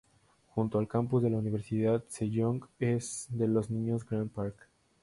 Junto al campus de la Universidad Sejong es de los Niños Grand Park.